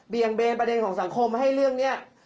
เบนประเด็นของสังคมให้เรื่องนี้